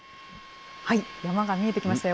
山が見えてきましたよ。